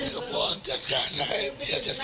พี่พ่อจัดการได้พี่พ่อจัดการได้